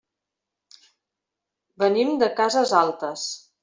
Venim de Casas Altas.